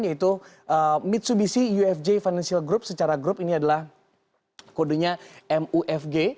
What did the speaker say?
yaitu mitsubishi ufj financial group secara grup ini adalah kodenya mufg